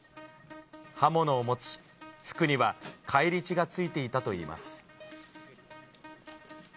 刃物を持ち、服には返り血がついていたといいます。